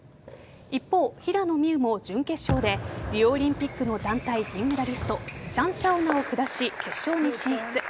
一方、平野美宇も準決勝でリオオリンピックの団体銀メダリストシャン・シャオナを下し決勝に進出。